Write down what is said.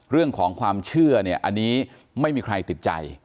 เรื่องของความเชื่อเนี่ยอันนี้ไม่มีใครติดใจ